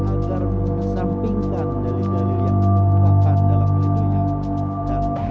agar mengesampingkan dalil dalil yang ditukarkan dalam perintahnya